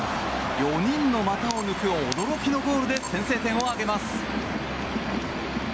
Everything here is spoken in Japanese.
４人の股を抜く驚きのゴールで先制点を挙げます！